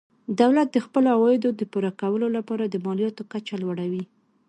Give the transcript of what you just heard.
دولت د خپلو عوایدو د پوره کولو لپاره د مالیاتو کچه لوړوي.